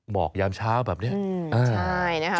หมอกยามเช้าแบบนี้ใช่นะคะ